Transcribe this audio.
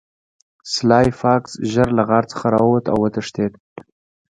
سلای فاکس ژر له غار څخه راووت او وتښتید